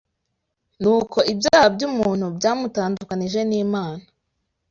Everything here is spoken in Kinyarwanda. Nuko ibyaha by’umuntu byamutandukanije n’Imana